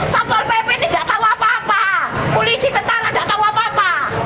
satpol pp ini tidak tahu apa apa polisi tentara nggak tahu apa apa